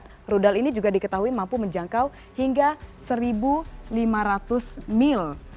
karena rudal ini juga diketahui mampu menjangkau hingga satu lima ratus mil